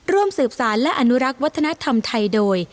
ร่วมสืบสารและอนุรักษ์วัฒนธรรมไทยโดย